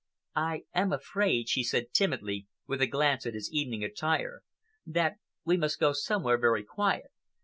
"I am afraid," she said timidly, with a glance at his evening attire, "that we must go somewhere very quiet.